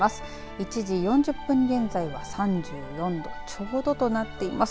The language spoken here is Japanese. １時４０分現在は３４度ちょうどとなっています。